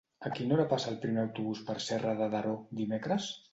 A quina hora passa el primer autobús per Serra de Daró dimecres?